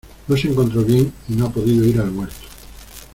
No se encontró bien y no ha podido ir al huerto.